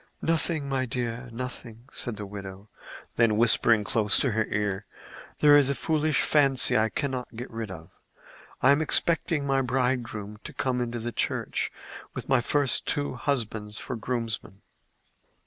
"Nothing, my dear—nothing," said the widow; then, whispering close to her ear, "There is a foolish fancy that I cannot get rid of. I am expecting my bridegroom to come into the church with my two first husbands for groomsmen."